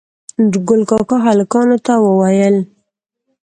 نورګل کاکا هلکانو ته وويل